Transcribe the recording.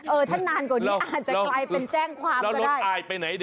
เออถ้านานกว่านี้อาจจะกลายเป็นแจ้งความก็ได้แล้วรถอายไปไหนเด้